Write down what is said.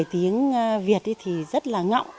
tiếng việt thì rất là ngọng